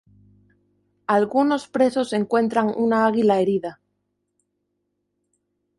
Algunos presos encuentran una águila herida.